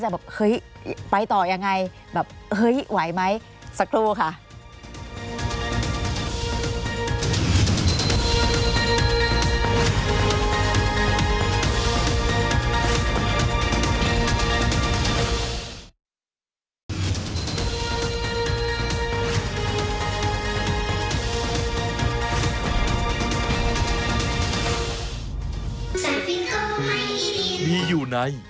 แต่แบบเฮ้ยไปต่อยังไงแบบเฮ้ยไหวไหมสักครู่ค่ะ